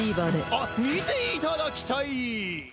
あっ見ていただきたい！